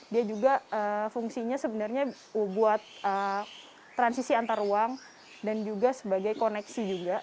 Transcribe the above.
dia juga fungsinya sebenarnya buat transisi antar ruang dan juga sebagai koneksi juga